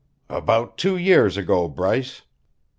"About two years ago, Bryce."